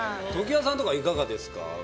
常盤さんとかいかがですか？